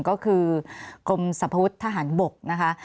ก็คือกรมสรรพวุฒิทหารบกนะคะ